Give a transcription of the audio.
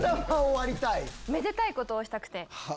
めでたいことをしたくて。